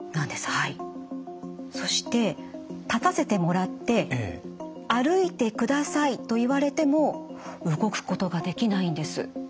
そして立たせてもらって歩いてくださいと言われても動くことができないんです。